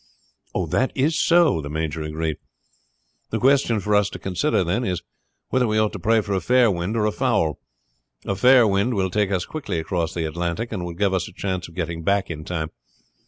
"That is so," the major agreed. "The question for us to consider is whether we ought to pray for a fair wind or a foul. A fair wind will take us quickly across the Atlantic and will give us a chance of getting back in time.